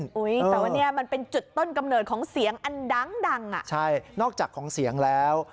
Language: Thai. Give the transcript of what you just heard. แต่ว่าเนี่ยมันเป็นจุดต้นกำเนิดของเสียงอันดังดังอ่ะใช่นอกจากของเสียงแล้ว